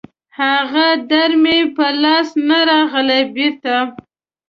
هغه در مې په لاس نه راغی بېړيه